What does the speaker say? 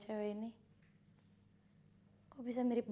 janganlah dia menjauhkan dirimu